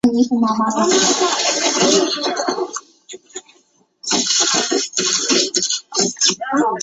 槲蕨是水龙骨科槲蕨属下的一个种。